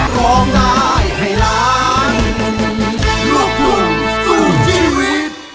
โปรดติดตามตอนต่อไป